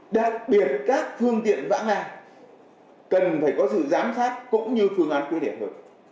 đặc biệt các phương tiện vãng làng cần phải có sự giám sát cũng như phương án quy địa hợp